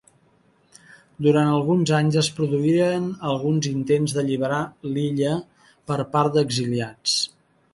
Durant alguns anys es produïren alguns intents d'alliberar l'illa per part d'exiliats.